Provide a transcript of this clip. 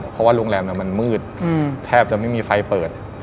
เพราะว่าโรงแรมมันมืดแทบจะไม่มีไฟเปิด